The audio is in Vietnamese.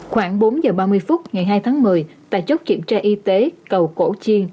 khoảng bốn giờ ba mươi phút ngày hai tháng một mươi tại chốt kiểm tra y tế cầu cổ chiên